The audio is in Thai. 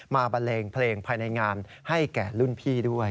บันเลงเพลงภายในงานให้แก่รุ่นพี่ด้วย